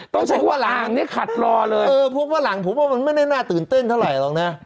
ต้องใช้ว่าหลังนี้ขัดรอเลยเออพบว่าหลังผมว่ามันไม่ได้น่าตื่นเต้นเท่าไหร่หรอกนะ